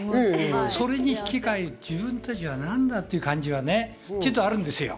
それに引き換え、自分たちはなんだって感じはね、ちょっとあるんですよ。